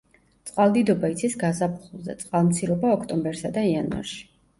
წყალდიდობა იცის გაზაფხულზე, წყალმცირობა ოქტომბერსა და იანვარში.